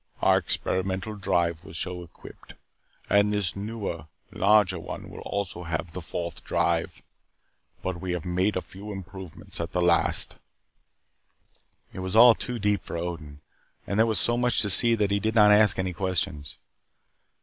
Our experimental ship was so equipped. And this newer, larger one will also have The Fourth Drive. But we have made a few improvements at the last." It was all too deep for Odin. And there was so much to see that he did not ask any questions.